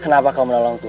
kenapa kau menolongku